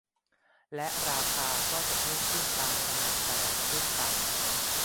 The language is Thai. และราคาก็จะเพิ่มขึ้นตามขนาดกะรัตเช่นกัน